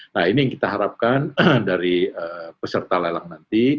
nah ini yang kita harapkan dari peserta lelang nanti